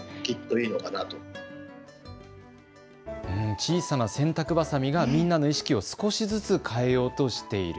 小さな洗濯ばさみがみんなの意識を少しずつ変えようとしている。